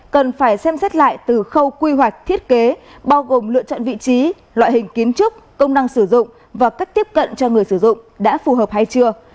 cần phải xem xét lại từ khâu quy hoạch thiết kế bao gồm lựa chọn vị trí loại hình kiến trúc công năng sử dụng và cách tiếp cận cho người sử dụng đã phù hợp hay chưa